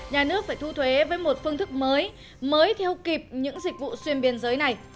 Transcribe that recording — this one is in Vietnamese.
nhà nước phải thu thuế với một phương thức mới mới theo kịp những dịch vụ xuyên biên giới này